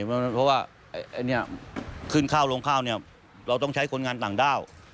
เพราะว่าขึ้นข้าวลงข้าวเนี่ยเราต้องใช้คนงานต่างด้าว